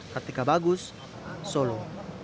ketika bagus solo